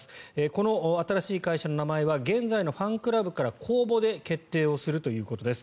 この新しい会社の名前は現在のファンクラブから公募で決定をするということです。